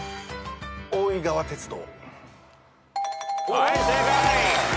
はい正解。